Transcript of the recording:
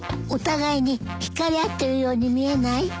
お互いに引かれ合ってるように見えない？